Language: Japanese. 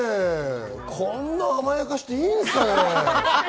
こんなに甘やかしていいんですかね。